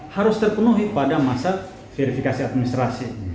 harus terpenuhi pada masa verifikasi administrasi